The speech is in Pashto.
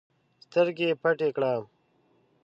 سترګي پټي کړه!